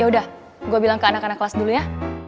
yaudah gue bilang ke anak anak kelas dulu ya